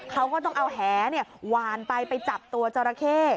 เขาก็ต้องเอาแหหวานไปไปจับตัวจราเข้